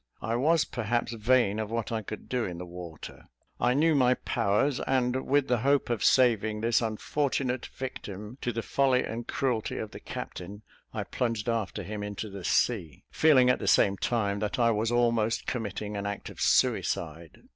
I was perhaps vain of what I could do in the water. I knew my powers; and with the hope of saving this unfortunate victim to the folly and cruelty of the captain, I plunged after him into the sea, feeling at the same time, that I was almost committing an act of suicide.